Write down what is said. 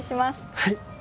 はい。